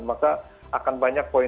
maka akan banyak poin